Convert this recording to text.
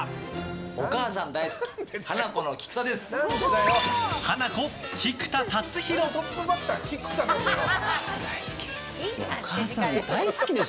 お母さん大好きハナコの菊田です。